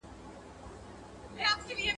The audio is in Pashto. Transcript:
ادم خان دي په نظر گوروان درځي.